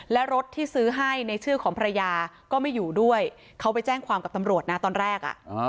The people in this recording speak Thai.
และรถที่ซื้อให้ในชื่อของภรรยาก็ไม่อยู่ด้วยเขาไปแจ้งความกับตำรวจนะตอนแรกอ่ะ